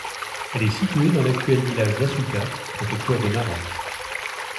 Elle est située dans l'actuel village d'Asuka, préfecture de Nara.